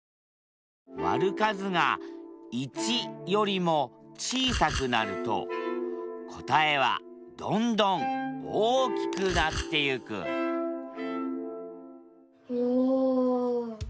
割る数が１よりも小さくなると答えはどんどん大きくなってゆくおお！